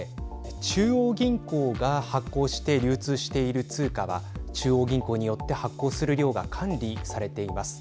中央銀行が発行して流通している通貨は中央銀行によって発行する量が管理されています。